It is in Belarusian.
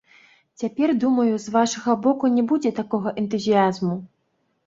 Цяпер, думаю, з вашага боку не будзе такога энтузіязму.